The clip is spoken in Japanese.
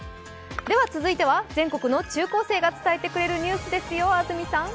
続いては全国の中高生が伝えてくれるニュースですよ、安住さん。